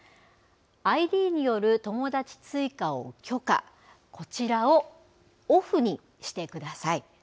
ＩＤによる友だち追加を許可、こちらをオフにしてください。